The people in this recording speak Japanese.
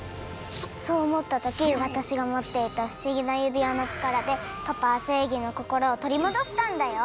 そうおもったときわたしがもっていたふしぎなゆびわのちからでパパはせいぎのこころをとりもどしたんだよ！